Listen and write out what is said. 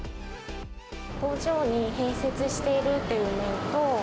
工場に併設しているという面と、